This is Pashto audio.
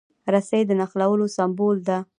رسۍ د نښلولو سمبول ده.